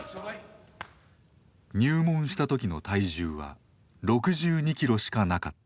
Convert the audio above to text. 入門した時の体重は６２キロしかなかった。